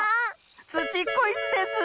ツチッコイスです！